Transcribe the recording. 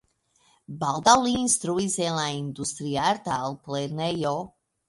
Baldaŭ li instruis en la Industriarta Altlernejo.